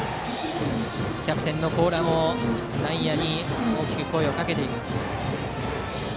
キャプテンの高良も内野に大きく声をかけています。